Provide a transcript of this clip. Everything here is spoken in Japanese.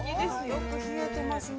◆よく冷えていますね。